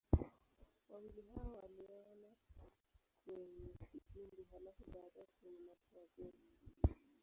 Wawili hao waliona kwenye kipindi, halafu baadaye kwenye maisha ya kweli.